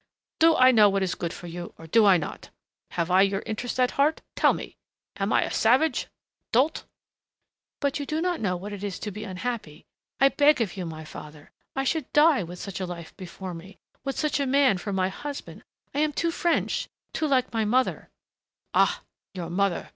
"Do I know what is good for you or do I not? Have I your interest at heart tell me! Am I a savage, a dolt " "But you do not know what it is to be unhappy. I beg of you, my father, I should die with such a life before me, with such a man for my husband. I am too French, too like my mother " "Ah, your mother!...